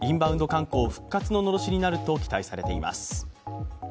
観光復活ののろしになると期待されています。